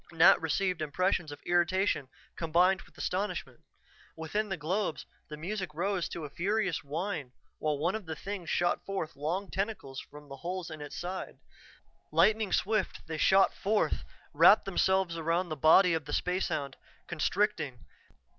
Nat received impressions of irritation combined with astonishment. Within the globes, the music rose to a furious whine while one of the things shot forth long tentacles from the holes in its side. Lightning swift they shot forth, wrapped themselves about the body of the spacehound, constricting.